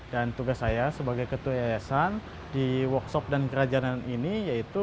dan tugas saya sebagai ketua yayasan di workshop dan kerajinan ini yaitu